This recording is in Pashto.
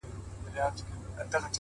هغه چي نيم بدن يې سرو باروتو لولپه کړ-